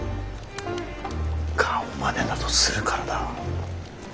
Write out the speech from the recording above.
顔まねなどするからだ。